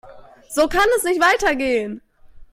So kann es nicht weitergehen.